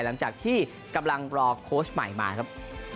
หลังจากที่กำลังรอโค้ชใหม่มาครับ